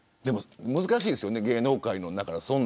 難しいですよね芸能界の。